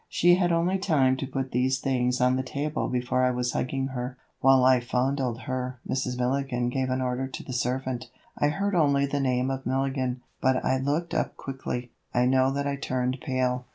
She had only time to put these things on the table before I was hugging her. While I fondled her, Mrs. Milligan gave an order to the servant. I heard only the name of Milligan, but I looked up quickly. I know that I turned pale.